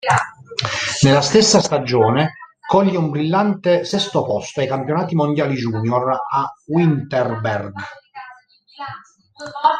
Nella stessa stagione coglie un brillante sesto posto ai campionati mondiali junior a Winterberg.